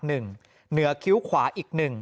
เหนือคิ้วขวาอีก๑